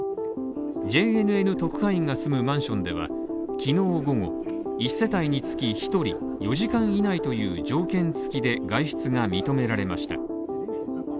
ＪＮＮ特派員が住むマンションでは昨日午後、１世帯につき１人、４時間以内という条件付きで外出が認められました。